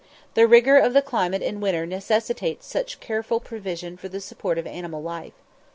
The rigour of the climate in winter necessitates such careful provision for the support of animal life.